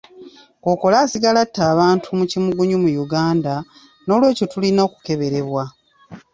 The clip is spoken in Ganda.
Kkookolo asigala nga atta abantu mu kimugunyu mu Uganda, n'olw'ekyo tulina okukeberebwa.